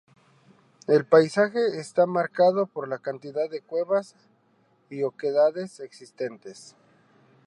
El paisaje está marcado por la cantidad de cuevas y oquedades existentes.